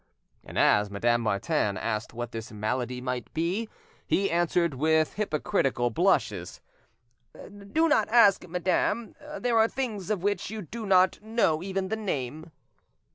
And as Madame Martin asked what this malady might be, he answered with hypocritical blushes— "Do not ask, madame; there are things of which you do not know even the name."